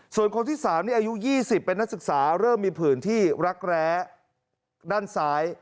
ส่วนคนที่๓นี่อายุ๒๐เป็นนักศึกษาเริ่มมีผืนที่รักแร้ด้านซ้าย